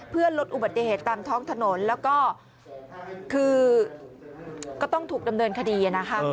เพื่อลดอุบัติเหตุตามท้องถนนแล้วก็คือก็ต้องถูกดำเนินคดีนะคะ